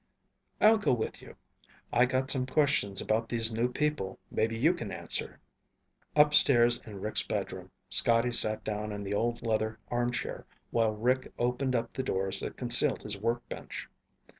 "I'll go with you. I got some questions about these new people maybe you can answer." Upstairs in Rick's bedroom, Scotty sat down in the old leather armchair while Rick opened up the doors that concealed his workbench.